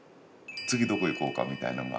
次どこ行こうかみたいなのが。